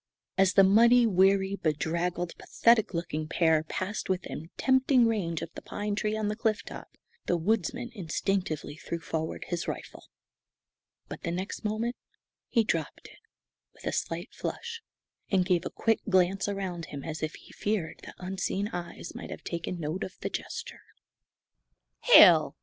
As the muddy, weary, bedraggled, pathetic looking pair passed within tempting range of the pine tree on the cliff top, the woodsman instinctively threw forward his rifle. But the next moment he dropped it, with a slight flush, and gave a quick glance around him as if he feared that unseen eyes might have taken note of the gesture. "Hell!"